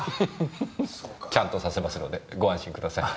ちゃんとさせますのでご安心ください。